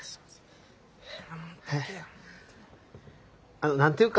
あの何ていうか。